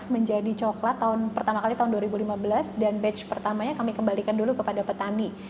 menjadi coklat pertama kali tahun dua ribu lima belas dan batch pertamanya kami kembalikan dulu kepada petani